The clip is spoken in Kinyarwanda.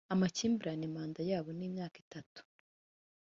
amakimbirane manda yabo ni imyaka itatu